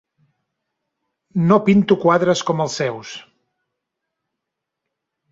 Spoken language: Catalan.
No pinto quadres com els seus.